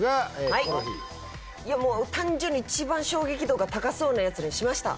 ヒコロヒー単純に一番衝撃度が高そうなやつにしました